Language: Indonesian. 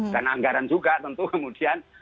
dan anggaran juga tentu kemudian